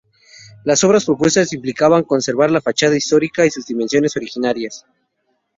Las obras propuestas implicaban conservar la fachada histórica y sus dimensiones originarias.